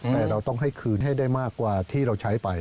แต่เราต้องให้คืนให้ได้มากกว่าที่เราใช้ไป